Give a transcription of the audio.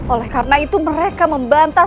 oleh karena itu mereka membantah